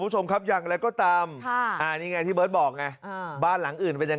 แล้วพอมีแนวทางเปลี่ยนที่จอดรถบ้างไหมคะ